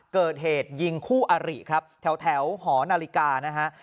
เกิดเหตุยิงคู่อาริครับแถวหอนาฬิกานะฮะ